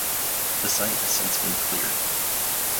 The site has since been cleared.